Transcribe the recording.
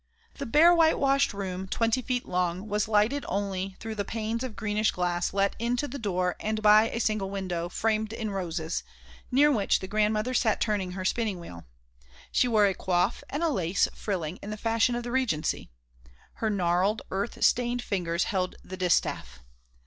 The bare whitewashed room, twenty feet long, was lighted only through the panes of greenish glass let into the door and by a single window, framed in roses, near which the grandmother sat turning her spinning wheel. She wore a coif and a lace frilling in the fashion of the Regency. Her gnarled, earth stained fingers held the distaff.